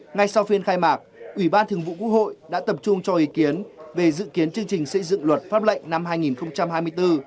ngay sau phiên khai mạc ủy ban thường vụ quốc hội đã tập trung cho ý kiến về dự kiến chương trình xây dựng luật pháp lệnh năm hai nghìn hai mươi bốn